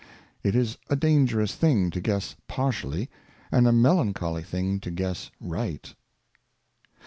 It is a dangerous thing to guess partially, and a melancholy thing to guess right.